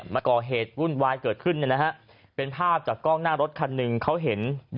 มาก่อเหตุวุ่นวายเกิดขึ้นเป็นภาพจากกล้องหน้ารถคันหนึ่งเขาเห็น